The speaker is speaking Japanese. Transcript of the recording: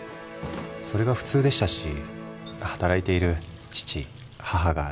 それが普通でしたし働いている父母が大好きでした。